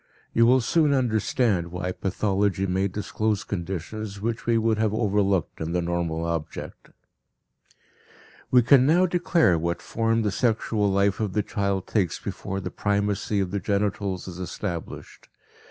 You will soon understand why pathology may disclose conditions which we would have overlooked in the normal object. We can now declare what form the sexual life of the child takes before the primacy of the genitals is established.